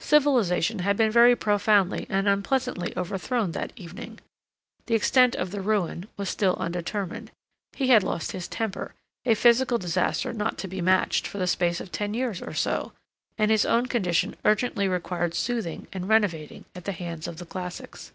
Civilization had been very profoundly and unpleasantly overthrown that evening; the extent of the ruin was still undetermined; he had lost his temper, a physical disaster not to be matched for the space of ten years or so; and his own condition urgently required soothing and renovating at the hands of the classics.